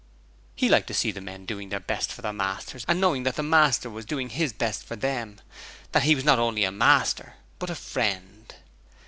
He liked to see men doing their best for their master and knowing that their master was doing his best for them, that he was not only a master, but a friend.